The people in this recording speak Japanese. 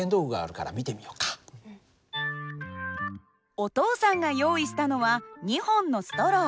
お父さんが用意したのは２本のストロー。